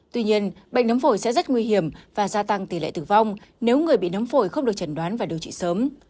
tuy nhiên bệnh nấm phổi sẽ rất nguy hiểm và gia tăng tỷ lệ tử vong nếu người bị nấm phổi không được chẩn đoán và điều trị sớm